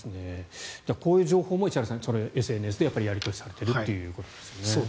こういう情報も石原さん、ＳＮＳでやり取りされているということですよね。